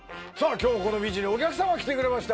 今日もこのビーチにお客様来てくれました